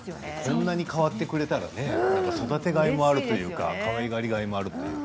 こんなに変わってくれたら育てがいがあるというかかわいがりがいもあるというか。